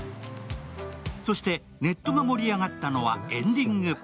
そしてネットが盛り上がったのはエンディング。